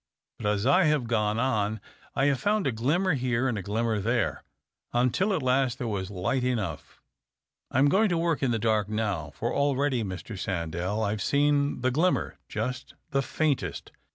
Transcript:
But as I have gone on, I have found a glimmer here and a glimmer there, until at last there was lio ht enoug;h. I'm going to work in the dark now, for already, Mr. Sandell, I've seen the glimmer — ^just the faintest.